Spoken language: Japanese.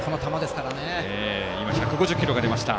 １５０キロが出ました。